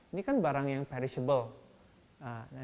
ini kan barang yang perishable